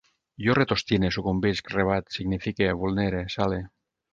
Jo retostine, sucumbisc, rebat, signifique, vulnere, sale